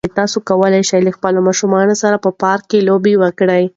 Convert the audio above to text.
تاسو کولای شئ چې له خپلو ماشومانو سره په پارک کې لوبې وکړئ.